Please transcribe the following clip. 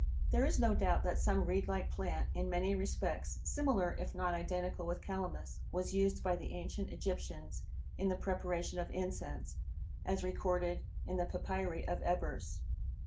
There is no doubt that some reedlike plant in many respects similar if not identical with calamus was used by the ancient Egyptians in the preparation of incense as recorded in the papyri of Ebers.